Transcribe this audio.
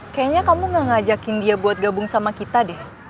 kayaknya kamu gak ngajakin dia buat gabung sama kita deh